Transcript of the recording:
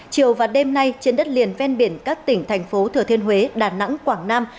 chiều và đêm nay trên đất liền ven biển các tỉnh thành phố thừa thiên huế đà nẵng quảng nam